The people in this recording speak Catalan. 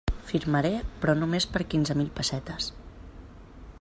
Firmaré, però només per quinze mil pessetes.